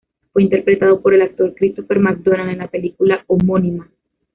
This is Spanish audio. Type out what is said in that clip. Fue interpretado por el actor Christopher McDonald en la película homónima.